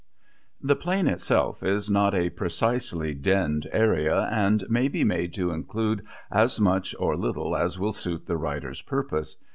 The Plain itself is not a precisely denned area, and may be made to include as much or little as will suit the writer's purpose.